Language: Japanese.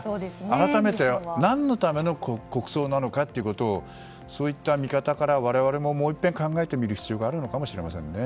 改めて何のための国葬なのかということをそういった見方から我々ももういっぺん、考えてみる必要があるのかもしれませんね。